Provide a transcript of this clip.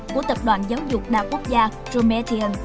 của tập đoàn giáo dục nam quốc gia